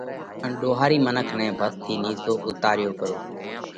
ان ۮوهارِي منک نئہ ڀس ٿِي نِيسو اُوتارو پرو۔